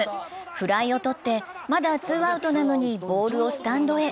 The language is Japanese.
フライをとって、まだツーアウトなのにボールをスタンドへ。